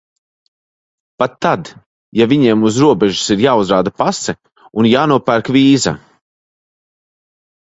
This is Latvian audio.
Pat tad, ja viņiem uz robežas ir jāuzrāda pase un jānopērk vīza.